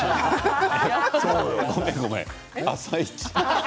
ごめんごめん「あさイチ」。